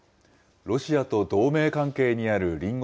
ロシアと同盟関係にある隣国